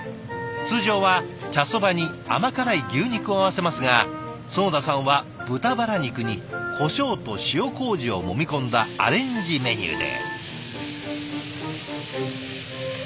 通常は茶そばに甘辛い牛肉を合わせますが囿田さんは豚バラ肉にこしょうと塩こうじをもみ込んだアレンジメニューで。